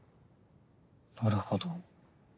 なるほど。